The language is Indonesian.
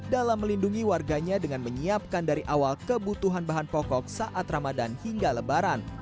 dalam melindungi warganya dengan menyiapkan dari awal kebutuhan bahan pokok saat ramadan hingga lebaran